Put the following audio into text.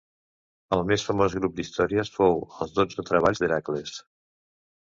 El més famós grup d'històries fou els dotze treballs d'Hèracles.